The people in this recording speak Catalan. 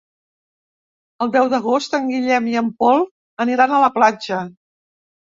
El deu d'agost en Guillem i en Pol aniran a la platja.